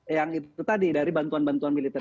yang itu tadi dari bantuan bantuan militer